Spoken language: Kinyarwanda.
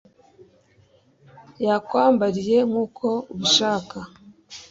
yakwambariye nkuko ubishaka